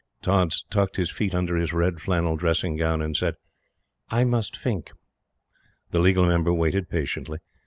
Tods tucked his feet under his red flannel dressing gown and said: "I must fink." The Legal Member waited patiently.